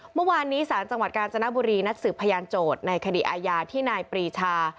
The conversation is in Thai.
เมื่อวานนี้ศาลจังหวัดกาญจนบุรีนัดสืบพยานโจทย์ในคดีอาญาที่นายปรีชา